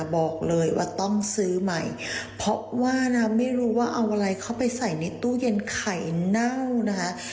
บอกเลยว่าต้องซื้อใหม่เพราะว่านะไม่รู้ว่าเอาอะไรเข้าไปใส่ในตู้เย็นไข่เน่านะคะ